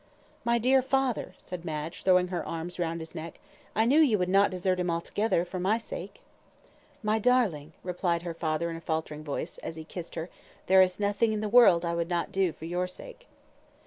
"My dear father," said Madge, throwing her arms round his neck, "I knew you would not desert him altogether, for my sake." "My darling," replied her father, in a faltering voice, as he kissed her, "there is nothing in the world I would not do for your sake."